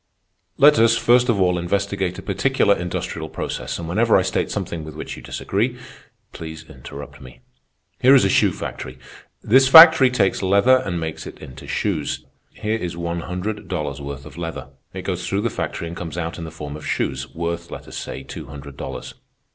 "Let us, first of all, investigate a particular industrial process, and whenever I state something with which you disagree, please interrupt me. Here is a shoe factory. This factory takes leather and makes it into shoes. Here is one hundred dollars' worth of leather. It goes through the factory and comes out in the form of shoes, worth, let us say, two hundred dollars.